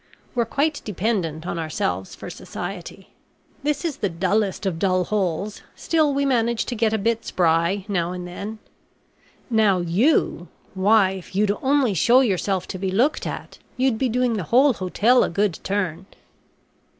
We're quite dependent on ourselves for society. This is the dullest of dull holes, still we manage to get a bit spry not and then. Now, you why, if you'd only show yourself to be looked at, you'd be doing the whole hotel a good turn."